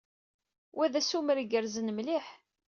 Wa d assumer ay igerrzen mliḥ.